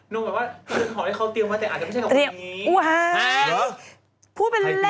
นุ้งแบบว่าเรือนหอให้เขาเตรียมไว้แต่อาจจะไม่ใช่แบบตรงนี้